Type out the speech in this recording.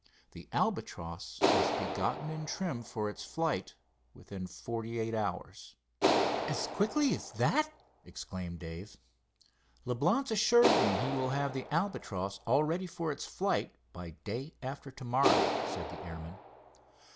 The Albatross must be gotten in trim for its flight within forty eight hours." "As quickly as that!" exclaimed Dave. "Leblance assures me he will have the Albatross all ready for its flight by day after to morrow," said the airman.